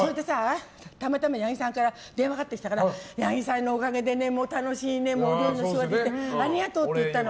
たまたま、ヤギさんから電話かかってきたらヤギさんのおかげで楽しいお料理の仕事ができてありがとうって言ったの。